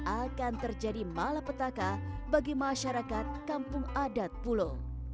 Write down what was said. akan terjadi malapetaka bagi masyarakat kampung adat pulo